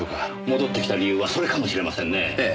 戻ってきた理由はそれかもしれませんねえ。